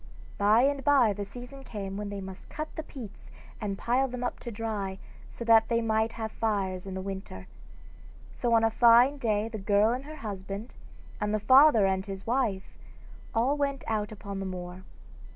By and bye the season came when they must cut the peats and pile them up to dry, so that they might have fires in the winter. So on a fine day the girl and her husband, and the father and his wife all went out upon the moor.